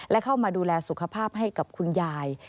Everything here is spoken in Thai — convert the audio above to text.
และเข้ามาดูแลสุขภาพให้กับคุณยาย